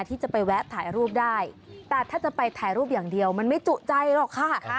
ที่จะไปแวะถ่ายรูปได้แต่ถ้าจะไปถ่ายรูปอย่างเดียวมันไม่จุใจหรอกค่ะ